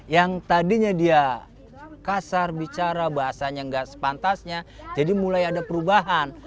yang tadinya dia kasar bicara bahasanya nggak sepantasnya jadi mulai ada perubahan